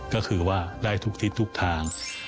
ก็คือว่าได้ทุกทิศทุกทาง